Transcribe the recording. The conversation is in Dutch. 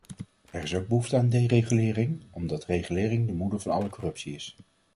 Er is ook behoefte aan deregulering, omdat regulering de moeder van alle corruptie is.